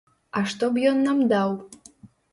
А што б ён нам даў?